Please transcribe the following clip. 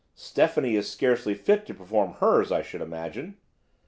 "Stephanie is scarcely fit to perform hers, I should imagine?"